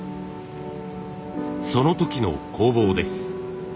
その時の工房です。